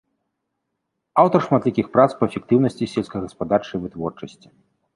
Аўтар шматлікіх прац па эфектыўнасці сельскагаспадарчай вытворчасці.